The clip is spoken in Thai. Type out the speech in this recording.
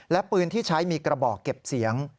และปืนที่ใช้มีกระบอกเก็บเสียง